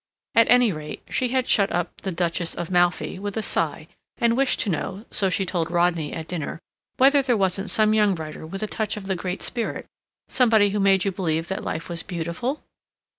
At any rate, she had shut up "The Duchess of Malfi" with a sigh, and wished to know, so she told Rodney at dinner, whether there wasn't some young writer with a touch of the great spirit—somebody who made you believe that life was _beautiful?